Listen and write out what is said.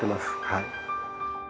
はい